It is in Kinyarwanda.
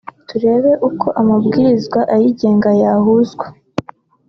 turebe uko amabwiriza ayigenga yahuzwa